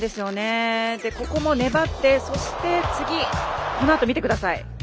ここも粘ってそして次、このあと見てください。